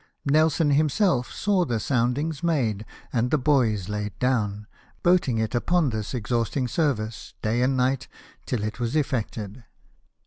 Nelson himself saw the soundings made and the buoys laid down, boating it upon this exhausting service, day and night, till it was effected.